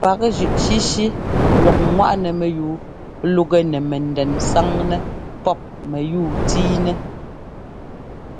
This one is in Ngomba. Pǎkzʉ́ꞌshíshí lɔk ŋ́waꞌnɛyúu lúgɛ nɛ mɛndɛn sáŋnɛ pɔ́p mɛyúu tíinɛ́.